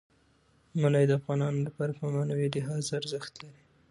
منی د افغانانو لپاره په معنوي لحاظ ارزښت لري.